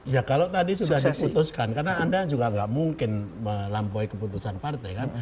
ya kalau tadi sudah diputuskan karena anda juga nggak mungkin melampaui keputusan partai kan